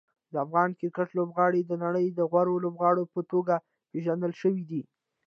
د افغان کرکټ لوبغاړي د نړۍ د غوره لوبغاړو په توګه پېژندل شوي دي.